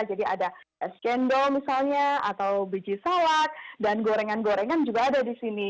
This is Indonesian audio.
jadi ada es jendol misalnya atau biji salat dan gorengan gorengan juga ada di sini